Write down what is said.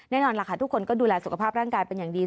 แน่นอนล่ะค่ะทุกคนก็ดูแลสุขภาพร่างกายเป็นอย่างดี